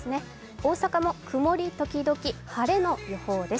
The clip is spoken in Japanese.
大阪も曇りときどき晴れの予報です。